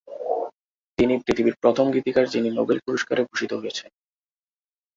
তিনি পৃথিবীর প্রথম গীতিকার যিনি নোবেল পুরস্কারে ভূষিত হয়েছেন।